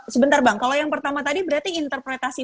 sebentar bang kalau yang pertama tadi berarti interpretasi